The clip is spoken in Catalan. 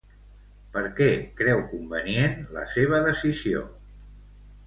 Per què creu convenient la seva decisió?